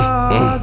aku mau nanggu